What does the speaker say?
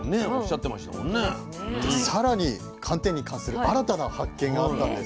さらに寒天に関する新たな発見があったんです。